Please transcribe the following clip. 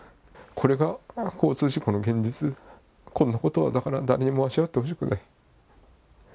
これが交通事故の現実、こんなことはだから誰にも味わってほしくない。